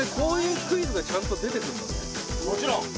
もちろん。